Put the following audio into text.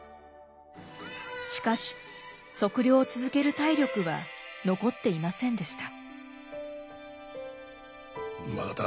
しかし測量を続ける体力は残っていませんでした。